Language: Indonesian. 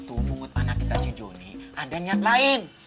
haji sulam itu mengut anak kita si joni ada niat lain